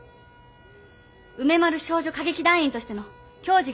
梅丸少女歌劇団員としての矜持があります。